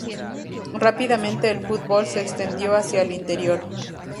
Rápidamente el fútbol se extendió hacia el interior.